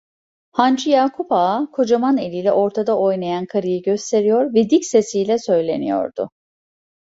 Hancı Yakup Ağa, kocaman eliyle ortada oynayan karıyı gösteriyor ve dik sesiyle söyleniyordu.